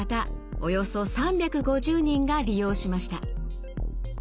およそ３５０人が利用しました。